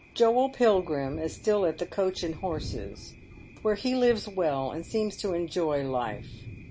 Joel Pilgrim is still at the " Coach and Horses," where he lives well, and seems to enjoy life.